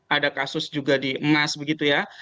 ada kasus juga di emas begitu ya